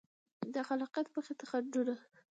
د خلاقیت مخې ته خنډونه